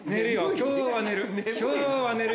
今日は寝る